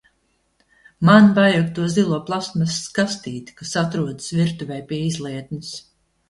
Man vajag to zilo plastmasas kastīti, kas atrodas virtuvē pie izlietnes.